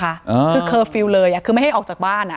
คือเคอร์ฟิลล์เลยคือไม่ให้ออกจากบ้านอ่ะ